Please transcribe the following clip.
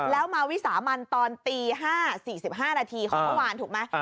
แล้วมาวิสามันตอนตี๕๔๕นาทีของเมื่อวานถูกไหม